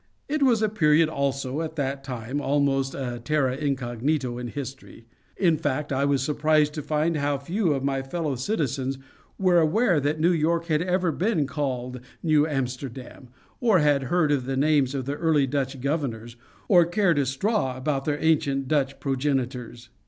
It was a period, also, at that time almost a terra incognita in history. In fact, I was surprised to find how few of my fellow citizens were aware that New York had ever been called New Amsterdam, or had heard of the names of its early Dutch governors, or cared a straw about their ancient Dutch progenitors.